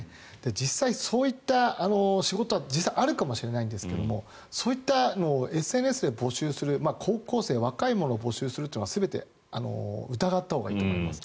実際、そういった仕事は実はあるかもしれないんですがそういったものをＳＮＳで募集する高校生、若い者を募集するのは全て疑ったほうがいいと思います。